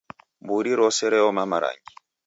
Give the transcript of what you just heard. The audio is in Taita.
Mburi rose reoma marangi